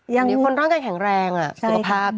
อย่างนี้คนต้องการแข็งแรงสุขภาพ